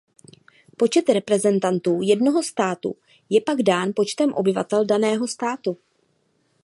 Počet reprezentantů jednoho státu je pak dán počtem obyvatel daného státu.